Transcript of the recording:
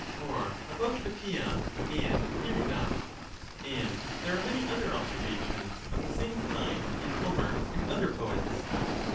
Or about Batieia and Myrina^? And there are many other observations of the same kind in Homer and other poets.